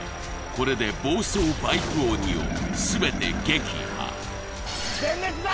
これで暴走バイク鬼を全て撃破全滅だ！